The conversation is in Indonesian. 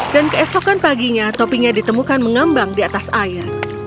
dan keesokan paginya topinya ditemukan mengembang di atas air